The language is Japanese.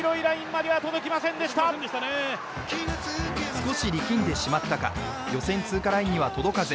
少し力んでしまったか、予選通過ラインには届かず。